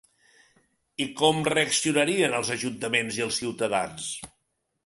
I com reaccionarien els ajuntaments i els ciutadans?